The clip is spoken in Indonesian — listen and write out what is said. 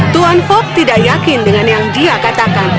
tuan fok tidak yakin dengan yang dia katakan